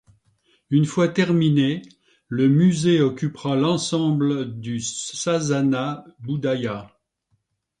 Une fois terminée, le musée occupera l'ensemble du Sasana Budaya.